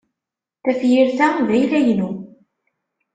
Tafyirt-a d ayla-inu.